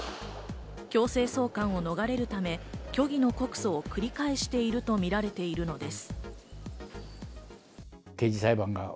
強制送還を逃れるため、虚偽の告訴を繰り返しているとみられているのです。